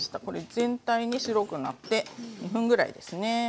これ全体に白くなって２分ぐらいですね